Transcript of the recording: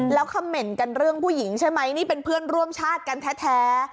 แล้วคำเหม็นกันเรื่องผู้หญิงใช่ไหมนี่เป็นเพื่อนร่วมชาติกันแท้